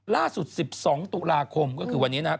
ล่าสุด๑๒ตุลาคมก็คือวันนี้นะครับ